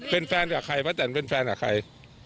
เป็นแฟนกับใครป้าแตนเป็นแฟนกับใคร